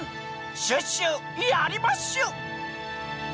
「シュッシュやりまッシュ！」